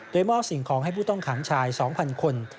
โดยมอบสิ่งของให้ผู้ต้องขังชาย๒๐๐คน